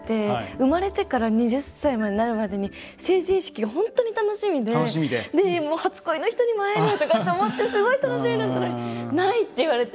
生まれてから２０歳になるまでに成人式が本当に楽しみで初恋の人にも会えるとか思ってすごい楽しみだったのにないって言われて。